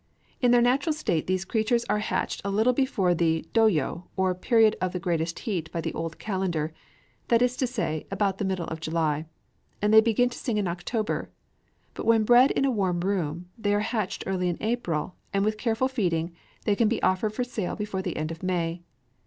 In their natural state these creatures are hatched a little before the Doyō, or Period of Greatest Heat by the old calendar, that is to say, about the middle of July; and they begin to sing in October. But when bred in a warm room, they are hatched early in April; and, with careful feeding, they can be offered for sale before the end of May.